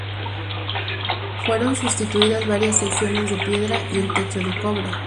Fueron sustituidas varias secciones de piedra y el techo de cobre.